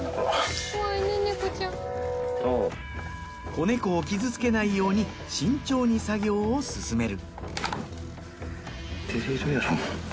子猫を傷つけないように慎重に作業を進める。